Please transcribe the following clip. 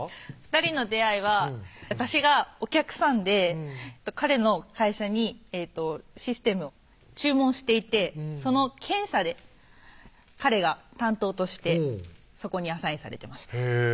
２人の出会いは私がお客さんで彼の会社にシステムを注文していてその検査で彼が担当としてそこにアサインされてました